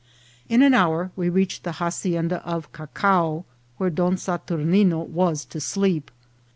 In an hour we reached the hacienda del Cacao, where Don Saturnino was to sleep.